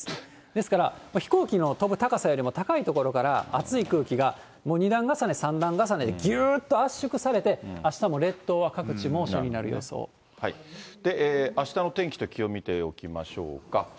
ですから、飛行機の跳ぶ高さよりも高い所から、暑い空気が、もう２段重ね、３段重ねでぎゅーっと圧縮されて、あしたも列島は各地、あしたの天気と気温見ておきましょうか。